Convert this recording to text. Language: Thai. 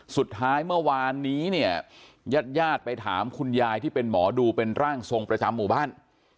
สุดท้ายเมื่อวานนี้เนี่ยญาติญาติไปถามคุณยายที่เป็นหมอดูเป็นร่างทรงประจำหมู่บ้าน